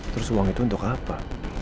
terus uang itu untuk apa